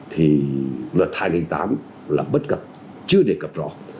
thì luật hai nghìn tám là bất cập chưa đề cập rõ